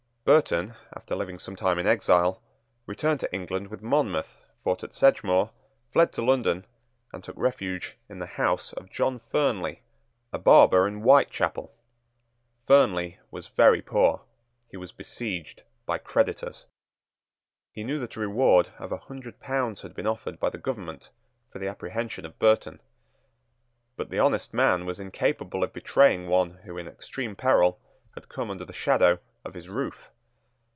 Burton, after living some time in exile, returned to England with Monmouth, fought at Sedgemoor, fled to London, and took refuge in the house of John Fernley, a barber in Whitechapel. Fernley was very poor. He was besieged by creditors. He knew that a reward of a hundred pounds had been offered by the government for the apprehension of Burton. But the honest man was incapable of betraying one who, in extreme peril, had come under the shadow of his roof.